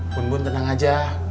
bun bun tenang aja